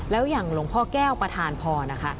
แล้วอย่างหลวงพ่อแก้วประธานพรนะคะ